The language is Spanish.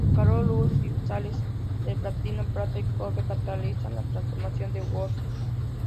Calor, luz, y sales de platino, plata y cobre catalizan la transposición de Wolff.